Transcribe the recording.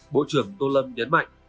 bộ trưởng tô lâm nhấn mạnh